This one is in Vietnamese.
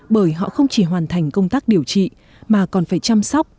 bởi họ không chỉ hoàn thành công tác điều trị mà còn phải chăm sóc